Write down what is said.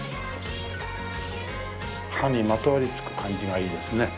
歯にまとわりつく感じがいいですね。